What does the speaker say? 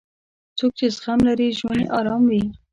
څوک چې زغم لري، ژوند یې ارام وي.